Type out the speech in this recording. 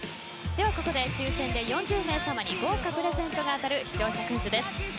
ここで抽選で４０名さまに豪華プレゼントが当たる視聴者クイズです。